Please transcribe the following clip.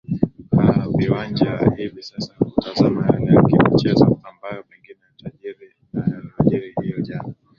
aa viwanja hivi sasa kutazama yale yakimichezo ambayo pengine yatajiri na yaliyojiri hiyo jana